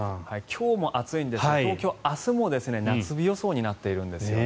今日も暑いんですが東京、明日も夏日予想になっているんですよね。